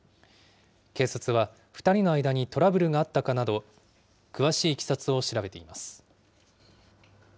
警察は、２人の間にトラブルがあったかなど、詳しいいきさつを調べています。